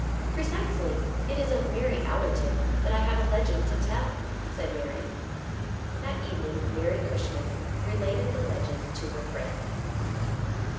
" Precisely. It is of Mary Allerton that I have a legend to tell," said Mary. That evening Mary Cushman related the legend to her friend.